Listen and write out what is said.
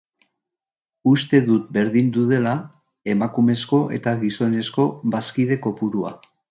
Uste dut berdindu dela emakumezko eta gizonezko bazkide kopurua.